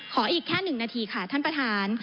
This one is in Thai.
อีกแค่๑นาทีค่ะท่านประธาน